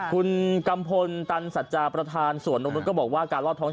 คุณกัมพลตันสัจจาประธานสวนนกนุษย์ก็บอกว่าการลอดท้อง